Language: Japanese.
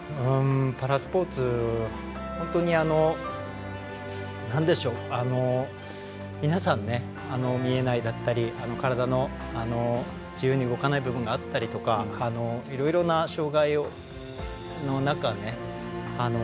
パラスポーツ本当に、皆さんね見えないだったり体の自由に動かない部分があったりとかいろいろな障がいの中ね